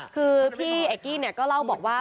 คือพี่เอกกี้ก็เล่าบอกว่า